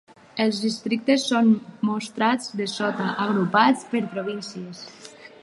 Els districtes són mostrats dessota, agrupats per províncies.